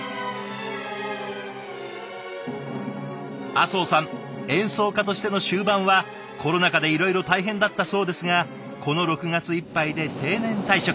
阿相さん演奏家としての終盤はコロナ禍でいろいろ大変だったそうですがこの６月いっぱいで定年退職。